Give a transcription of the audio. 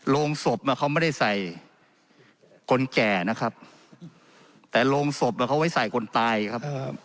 โรงศพเขาไม่ได้ใส่คนแก่นะครับแต่โรงศพเขาไว้ใส่คนตายครับ